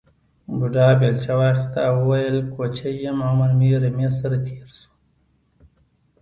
بوډا بېلچه واخیسته او وویل کوچی یم عمر مې رمې سره تېر شو.